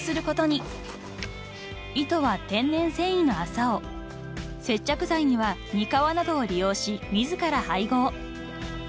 ［糸は天然繊維の麻を接着剤にはにかわなどを利用し自ら配合］